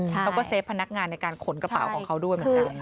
เขาก็เซฟพนักงานในการขนกระเป๋าของเขาด้วยเหมือนกัน